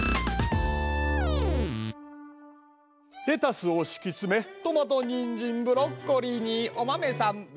レタスを敷き詰めトマトニンジンブロッコリーにお豆さん